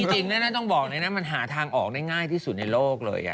จริงต้องบอกเลยนะมันหาทางออกได้ง่ายที่สุดในโลกเลย